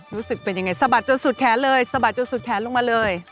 รู้สึกเป็นยังไงสะบัดจนสุดแขนเลยสะบัดจนสุดแขนลงมาเลย